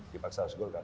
dipaksa harus golkar